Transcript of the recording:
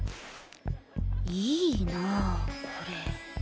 いいなァこれ。